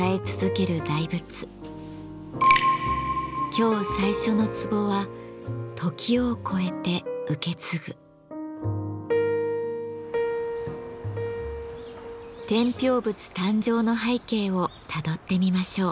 今日最初のツボは天平仏誕生の背景をたどってみましょう。